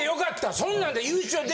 そんなんで。